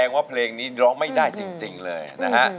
ว่าเพลงนี้ร้องไม่ได้จริงเลยนะฮะ